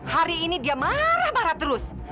hari ini dia marah marah terus